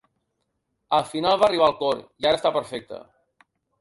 Al final va arribar el cor i ara està perfecta.